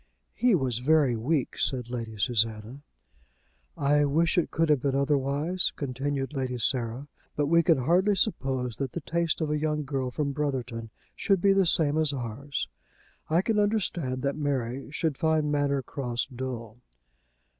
"He was very weak," said Lady Susanna. "I wish it could have been otherwise," continued Lady Sarah; "but we can hardly suppose that the tastes of a young girl from Brotherton should be the same as ours. I can understand that Mary should find Manor Cross dull."